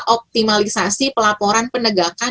optimalisasi pelaporan penegakan